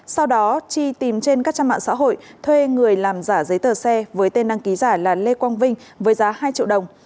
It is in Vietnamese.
sau đó chi tìm trên các trang mạng xã hội thuê người làm giả giấy tờ xe với tên đăng ký giả là lê quang vinh với giá hai triệu đồng